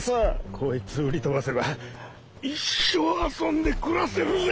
こいつを売りとばせば一生遊んでくらせるぜ。